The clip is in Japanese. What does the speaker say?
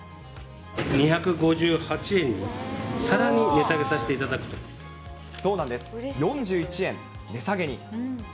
２５８円にさらに値下げさせそうなんです、４１円値下げに。